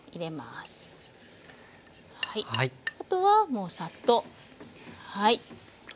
あとはもうサッとはい。